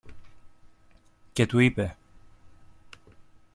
και του είπε